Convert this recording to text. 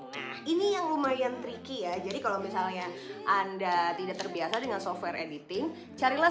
nah ini yang lumayan tricky ya jadi kalau misalnya anda tidak terbiasa dengan software editing carilah